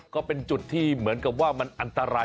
ก็เป็นจุดที่เหมือนกับว่ามันอันตราย